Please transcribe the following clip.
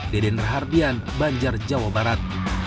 dedener hardian banjar jawa barat